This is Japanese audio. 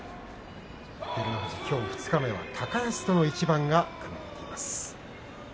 照ノ富士きょう二日目は高安との一番が組まれています。